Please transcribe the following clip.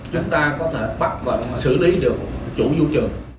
chúng ta có thể bắt và xử lý được chủ vô trường